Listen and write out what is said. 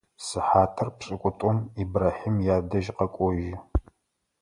Сыхьатыр пшӏыкӏутӏум Ибрахьим ядэжь къэкӏожьы.